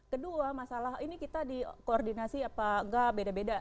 kedua masalah ini kita di koordinasi apa nggak beda beda